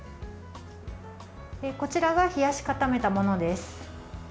こちらが冷やし固めたものです。